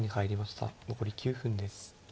残り９分です。